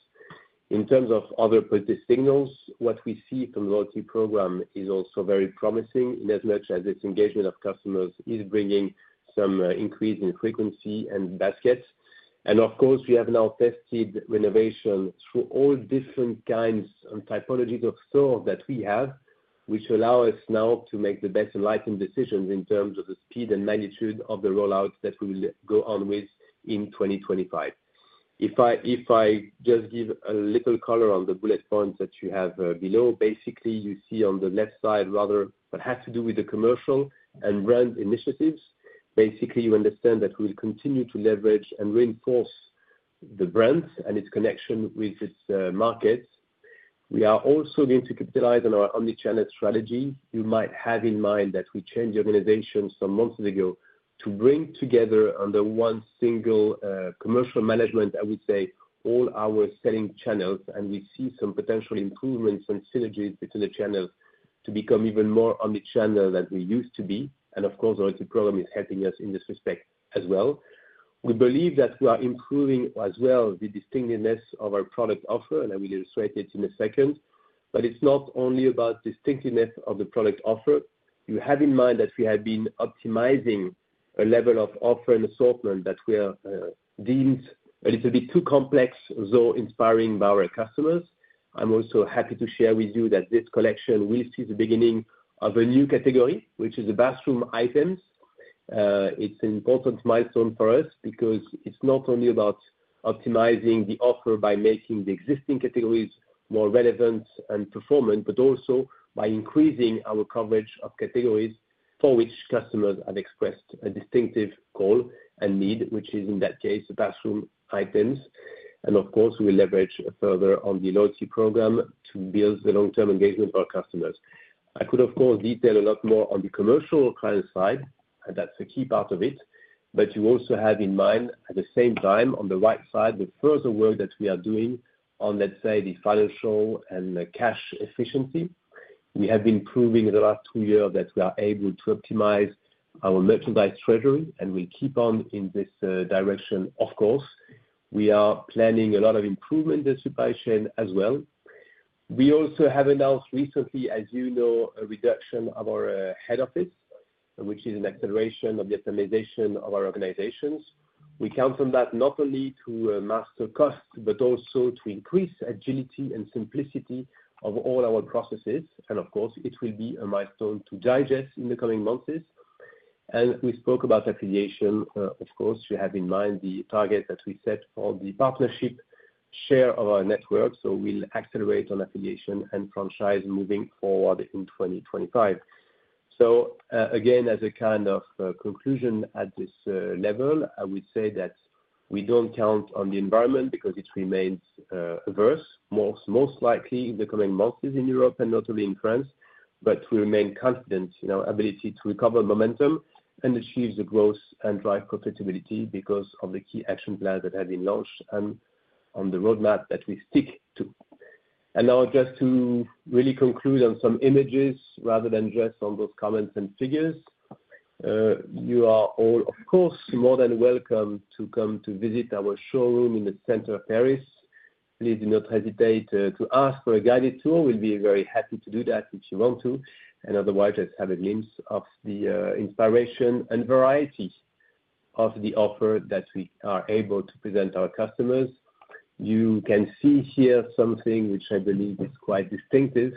In terms of other positive signals, what we see from the loyalty program is also very promising in as much as its engagement of customers is bringing some increase in frequency and baskets, and of course, we have now tested renovation through all different kinds and typologies of stores that we have, which allow us now to make the best enlightened decisions in terms of the speed and magnitude of the rollout that we will go on with in 2025. If I just give a little color on the bullet points that you have below, basically, you see on the left side rather that has to do with the commercial and brand initiatives, basically, you understand that we will continue to leverage and reinforce the brand and its connection with its markets. We are also going to capitalize on our omnichannel strategy. You might have in mind that we changed the organization some months ago to bring together under one single commercial management, I would say, all our selling channels, and we see some potential improvements and synergies between the channels to become even more omnichannel than we used to be, and of course, the loyalty program is helping us in this respect as well. We believe that we are improving as well the distinctiveness of our product offer, and I will illustrate it in a second, but it's not only about distinctiveness of the product offer. You have in mind that we have been optimizing a level of offer and assortment that we have deemed a little bit too complex, though inspiring to our customers. I'm also happy to share with you that this collection will see the beginning of a new category, which is the bathroom items. It's an important milestone for us because it's not only about optimizing the offer by making the existing categories more relevant and performant, but also by increasing our coverage of categories for which customers have expressed a distinctive goal and need, which is in that case the bathroom items, and of course, we'll leverage further on the loyalty program to build the long-term engagement of our customers. I could, of course, detail a lot more on the commercial client side, and that's a key part of it, but you also have in mind at the same time on the right side the further work that we are doing on, let's say, the financial and cash efficiency. We have been proving in the last two years that we are able to optimize our merchandise treasury, and we'll keep on in this direction, of course. We are planning a lot of improvement in the supply chain as well. We also have announced recently, as you know, a reduction of our head office, which is an acceleration of the optimization of our organizations. We count on that not only to master costs, but also to increase agility and simplicity of all our processes, and of course, it will be a milestone to digest in the coming months, and we spoke about affiliation, of course. You have in mind the target that we set for the partnership share of our network, so we'll accelerate on affiliation and franchise moving forward in 2025. So again, as a kind of conclusion at this level, I would say that we don't count on the environment because it remains adverse, most likely in the coming months in Europe and notably in France, but we remain confident in our ability to recover momentum and achieve the growth and drive profitability because of the key action plans that have been launched and on the roadmap that we stick to. And now, just to really conclude on some images rather than just on those comments and figures, you are all, of course, more than welcome to come to visit our showroom in the center of Paris. Please do not hesitate to ask for a guided tour. We'll be very happy to do that if you want to. And otherwise, just have a glimpse of the inspiration and variety of the offer that we are able to present our customers. You can see here something which I believe is quite distinctive,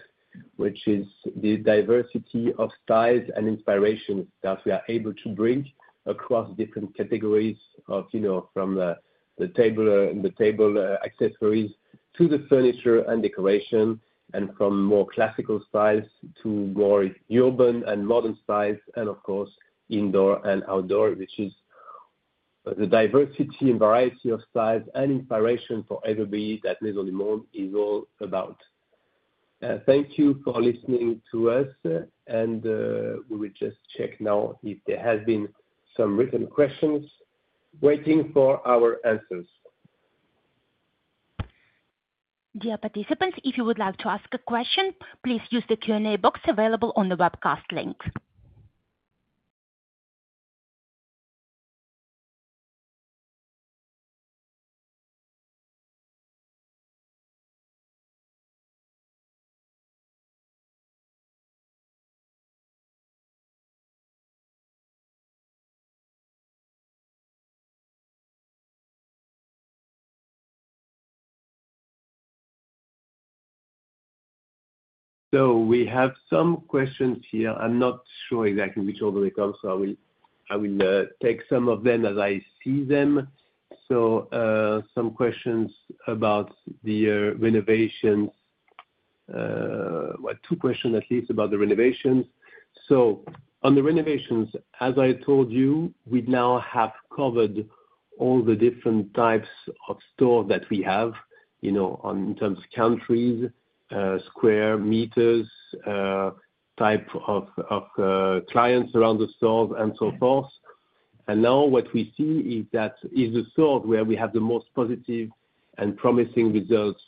which is the diversity of styles and inspirations that we are able to bring across different categories from the table accessories to the furniture and decoration, and from more classical styles to more urban and modern styles, and of course, indoor and outdoor, which is the diversity and variety of styles and inspiration for everybody that Maisons du Monde is all about. Thank you for listening to us, and we will just check now if there have been some written questions waiting for our answers. Dear participants, if you would like to ask a question, please use the Q&A box available on the webcast link. So we have some questions here. I'm not sure exactly which order they come, so I will take some of them as I see them. So some questions about the renovations, two questions at least about the renovations. So on the renovations, as I told you, we now have covered all the different types of stores that we have in terms of countries, square meters, type of clients around the stores, and so forth. And now what we see is that is the stores where we have the most positive and promising results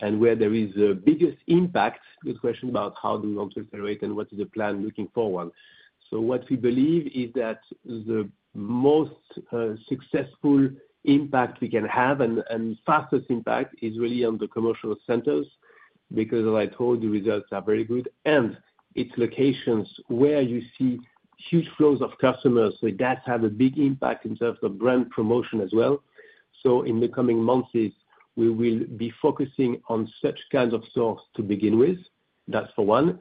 and where there is the biggest impact. Good question about how do we want to accelerate and what is the plan looking forward. So what we believe is that the most successful impact we can have and fastest impact is really on the commercial centers because, as I told you, results are very good, and it's locations where you see huge flows of customers. So that has a big impact in terms of brand promotion as well. So in the coming months, we will be focusing on such kinds of stores to begin with. That's for one.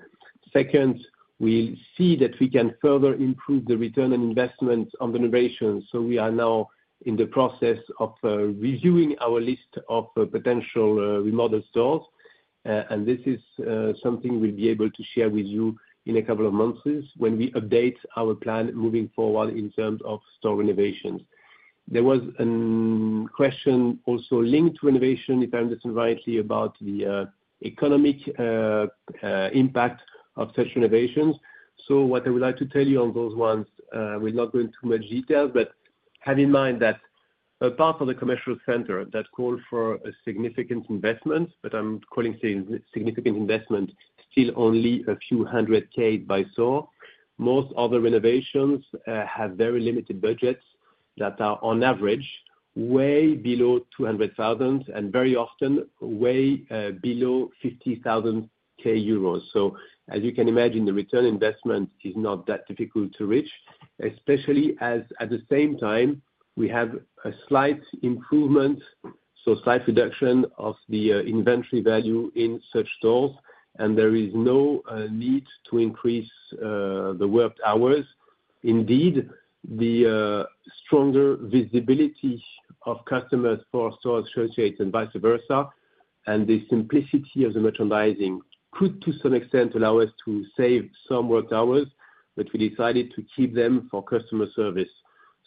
Second, we'll see that we can further improve the return on investment on the renovations. So we are now in the process of reviewing our list of potential remodel stores, and this is something we'll be able to share with you in a couple of months when we update our plan moving forward in terms of store renovations. There was a question also linked to renovation, if I understand rightly, about the economic impact of such renovations. So what I would like to tell you on those ones. We're not going too much detail, but have in mind that apart from the commercial center that calls for a significant investment, but I'm calling significant investment still only a few hundred K by store. Most other renovations have very limited budgets that are on average way below 200,000 and very often way below 50 million euros so as you can imagine, the return on investment is not that difficult to reach, especially as at the same time we have a slight improvement, so slight reduction of the inventory value in such stores, and there is no need to increase the worked hours. Indeed, the stronger visibility of customers for store associates and vice versa, and the simplicity of the merchandising could to some extent allow us to save some worked hours, but we decided to keep them for customer service,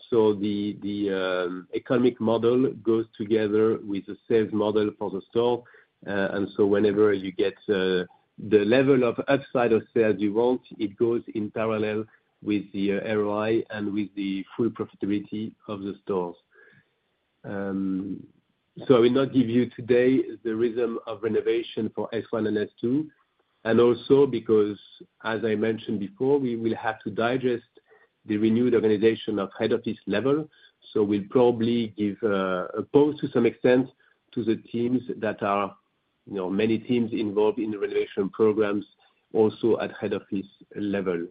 so the economic model goes together with the sales model for the store, and so whenever you get the level of upside of sales you want, it goes in parallel with the ROI and with the full profitability of the stores. So, I will not give you today the rhythm of renovation for S1 and S2, and also because, as I mentioned before, we will have to digest the renewed organization at head office level. So, we'll probably give a pause to some extent to the teams that are many teams involved in the renovation programs also at head office level.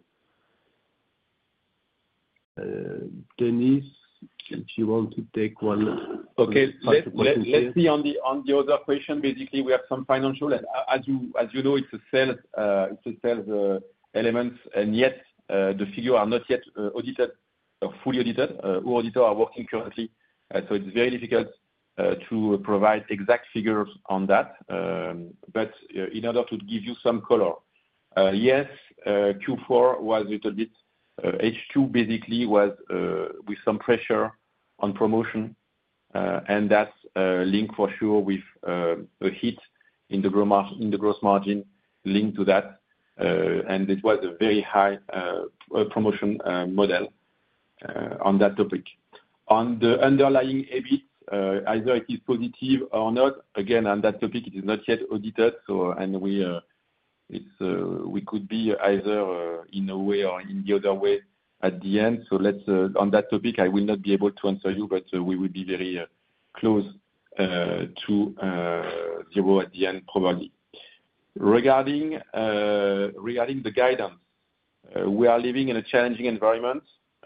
Denis, if you want to take one question. Okay. Let's see on the other question. Basically, we have some financial. As you know, it's a sales element, and yet the figures are not yet audited or fully audited. Our auditors are working currently, so it's very difficult to provide exact figures on that. But in order to give you some color, yes, Q4 was a little bit H2, basically was with some pressure on promotion, and that's linked for sure with a hit in the gross margin linked to that. And it was a very high promotion model on that topic. On the underlying EBIT, either it is positive or not. Again, on that topic, it is not yet audited, and we could be either in a way or in the other way at the end. So on that topic, I will not be able to answer you, but we will be very close to zero at the end, probably. Regarding the guidance, we are living in a challenging environment,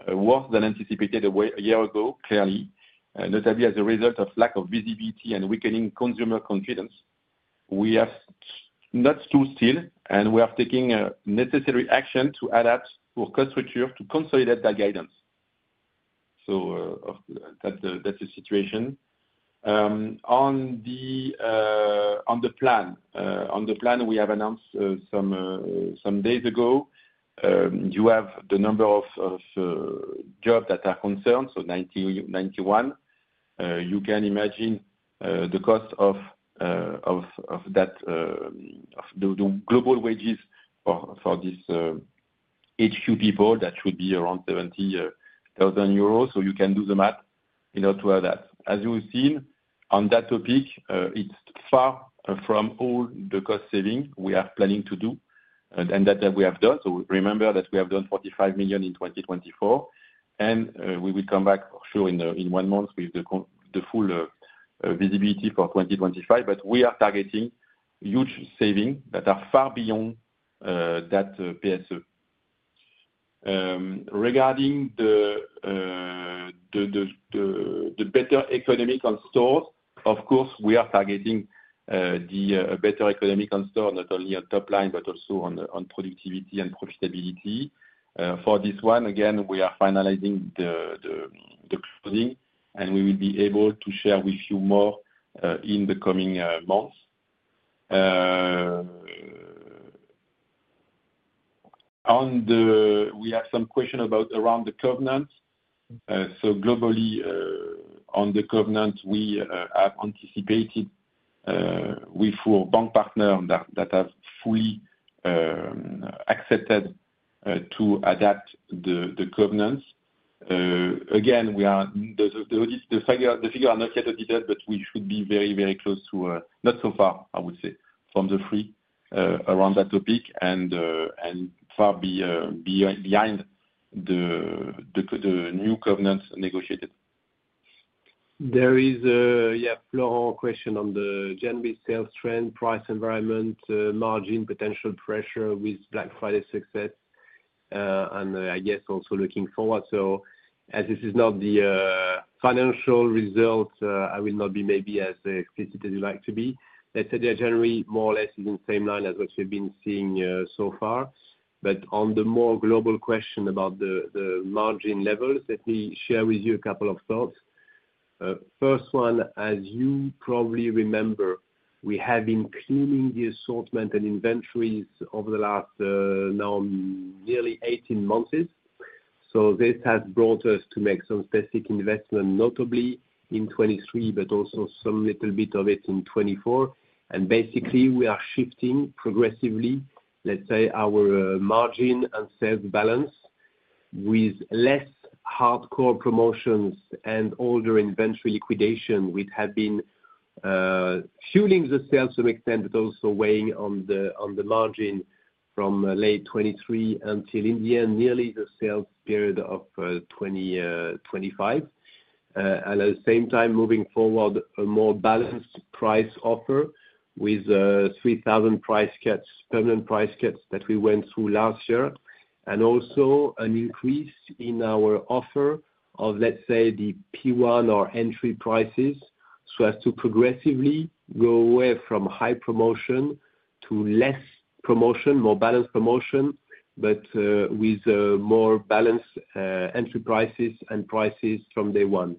worse than anticipated a year ago, clearly, notably as a result of lack of visibility and weakening consumer confidence. We have not stood still, and we are taking necessary action to adapt for cost structure to consolidate that guidance. So that's the situation. On the plan, we have announced some days ago, you have the number of jobs that are concerned, so 91. You can imagine the cost of that, the global wages for these HQ people, that should be around 70,000 euros. So you can do the math in order to add that. As you've seen, on that topic, it's far from all the cost savings we are planning to do and that we have done. So remember that we have done 45 million in 2024, and we will come back for sure in one month with the full visibility for 2025, but we are targeting huge savings that are far beyond that PSE. Regarding the better economic on stores, of course, we are targeting the better economic on stores, not only on top line, but also on productivity and profitability. For this one, again, we are finalizing the closing, and we will be able to share with you more in the coming months. We have some questions around the covenant. So globally, on the covenant, we have anticipated with our bank partner that have fully accepted to adapt the covenants. Again, the figures are not yet audited, but we should be very, very close to, not so far, I would say, from the free around that topic and far behind the new covenant negotiated. There is, yeah, Florent's question on the GenB sales trend, price environment, margin, potential pressure with Black Friday success, and I guess also looking forward. So as this is not the financial result, I will not be maybe as explicit as you'd like to be. Let's say the agenda more or less is in the same line as what we've been seeing so far. But on the more global question about the margin levels, let me share with you a couple of thoughts. First one, as you probably remember, we have been cleaning the assortment and inventories over the last now nearly 18 months, so this has brought us to make some specific investment, notably in 2023, but also some little bit of it in 2024, and basically, we are shifting progressively, let's say, our margin and sales balance with less hardcore promotions and older inventory liquidation, which have been fueling the sales to an extent, but also weighing on the margin from late 2023 until in the end, nearly the sales period of 2025. At the same time, moving forward, a more balanced price offer with 3,000 permanent price cuts that we went through last year, and also an increase in our offer of, let's say, the P1 or entry prices so as to progressively go away from high promotion to less promotion, more balanced promotion, but with more balanced entry prices and prices from day one.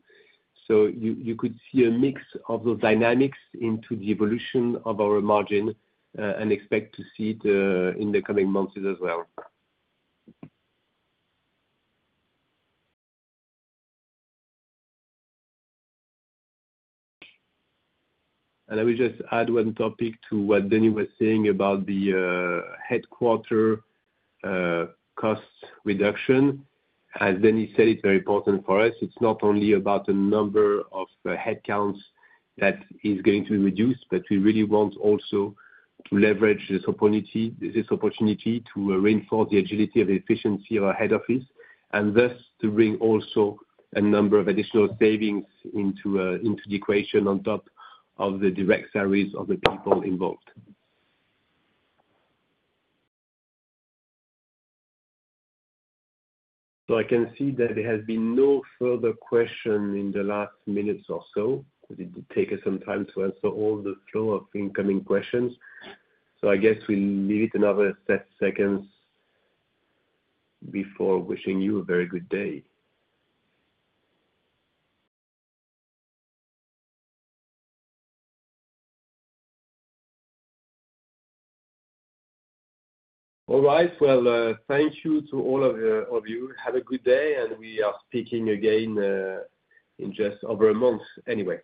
So you could see a mix of those dynamics into the evolution of our margin and expect to see it in the coming months as well. And I will just add one topic to what Denis was saying about the headquarters cost reduction. As Denis said, it's very important for us. It's not only about the number of headcounts that is going to be reduced, but we really want also to leverage this opportunity to reinforce the agility and efficiency of our head office and thus to bring also a number of additional savings into the equation on top of the direct salaries of the people involved, so I can see that there has been no further question in the last minutes or so. It did take us some time to answer all the flow of incoming questions, so I guess we'll leave it another few seconds before wishing you a very good day. All right, well, thank you to all of you. Have a good day, and we are speaking again in just over a month anyway.